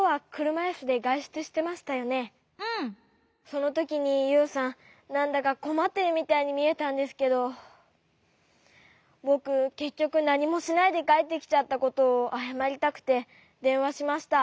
そのときにユウさんなんだかこまっているみたいにみえたんですけどぼくけっきょくなにもしないでかえってきちゃったことをあやまりたくてでんわしました。